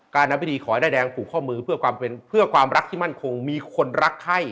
การทำพิธีขอด้ายแดงปู่ข้อมือเพื่อความรักที่มั่นคงมีคนรักให้